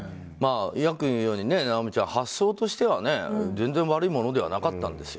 ヤックンが言うように尚美ちゃん、発想としては全然悪いものではなかったんですよ。